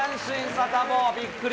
サタボー、びっくり。